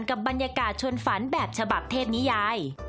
กับบรรยากาศชนฝันแบบฉบับเทพนิยาย